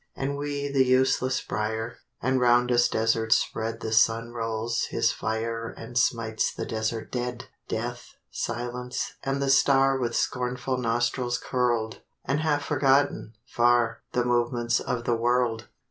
And we the useless Briar, And round us Desert spread The red Sun rolls his fire And smites the Desert dead; Death, Silence, and the Star With scornful nostrils curl'd; And half forgotten, far, The movements of the world.